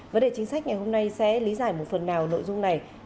vấn đề chính sách ngày hôm nay sẽ lý giải một phần nào nội dung này